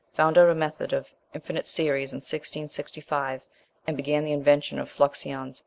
Found out a method of infinite series in 1665, and began the invention of Fluxions.